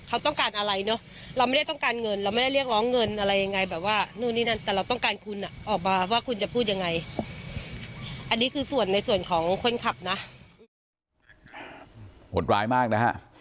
อันนี้คือส่วนในส่วนของคนขับนะห่วงร้ายมากนะฮะ